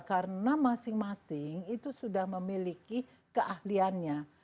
karena masing masing itu sudah memiliki keahliannya